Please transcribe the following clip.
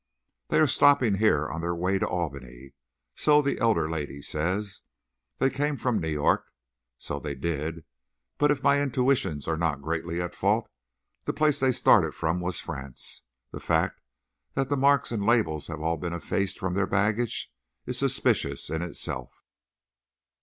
They are stopping here on their way to Albany so the elder lady says. They came from New York. So they did, but if my intuitions are not greatly at fault, the place they started from was France. The fact that the marks and labels have all been effaced from their baggage is suspicious in itself.